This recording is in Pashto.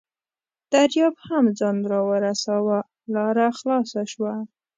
دریاب هم ځان راورساوه، لاره خلاصه شوه.